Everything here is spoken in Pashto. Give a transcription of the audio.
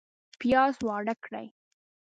پیاز واړه کړئ